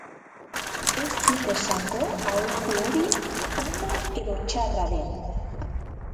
Ez dut esango aholku hori ona edo txarra den.